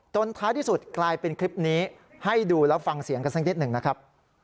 ท้ายที่สุดกลายเป็นคลิปนี้ให้ดูแล้วฟังเสียงกันสักนิดหนึ่งนะครับ